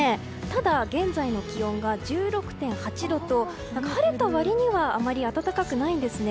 ただ、現在の気温が１６．８度と晴れた割にはあまり暖かくないんですね。